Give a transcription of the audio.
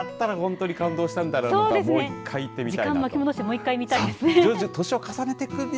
今だったら本当に感動したんだろうと思うんでもう一回行ってみたい。